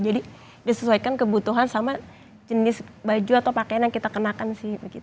jadi disesuaikan kebutuhan sama jenis baju atau pakaian yang kita kenakan sih